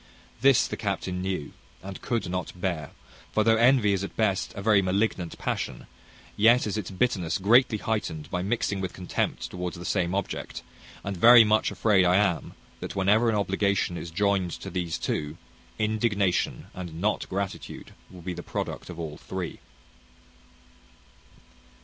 This the captain knew, and could not bear; for though envy is at best a very malignant passion, yet is its bitterness greatly heightened by mixing with contempt towards the same object; and very much afraid I am, that whenever an obligation is joined to these two, indignation and not gratitude will be the product of all three.